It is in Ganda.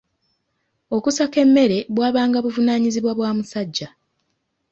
Okusaka emmere bwabanga buvunaanyizibwa bwa musajja.